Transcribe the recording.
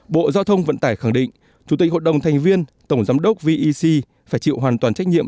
bộ giao thông vận tải khẳng định chủ tịch hội đồng thành viên tổng giám đốc vec phải chịu hoàn toàn trách nhiệm